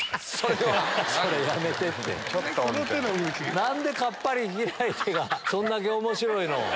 何でカッパリ開いて！がそんだけ面白いの？